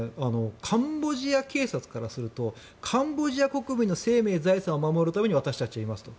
カンボジア警察からするとカンボジア国民の生命財産を守るために私たちはいますと。